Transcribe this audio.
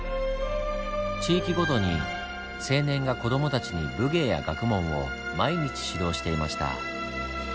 地域ごとに青年が子どもたちに武芸や学問を毎日指導していました。